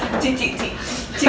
với chính mình khi mà